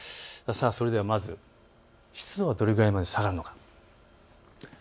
それではまず湿度はどれくらいまで下がるのか。